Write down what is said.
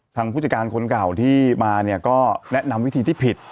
ผู้จัดการคนเก่าที่มาเนี่ยก็แนะนำวิธีที่ผิด